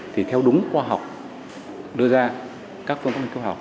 thì theo đúng khoa học đưa ra các phương pháp nghiên cứu học